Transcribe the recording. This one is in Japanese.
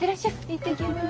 行ってきます。